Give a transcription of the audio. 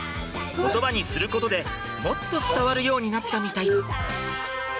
言葉にすることでもっと伝わるようになったみたい。